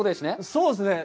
そうですね。